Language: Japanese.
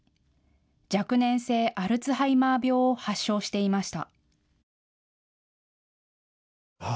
若年性アルツハイマー病を発症していました。